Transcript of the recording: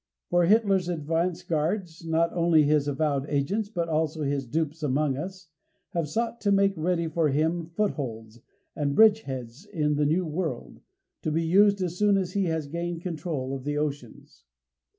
For Hitler's advance guards not only his avowed agents but also his dupes among us have sought to make ready for him footholds, and bridgeheads in the New World, to be used as soon as he has gained control of the oceans.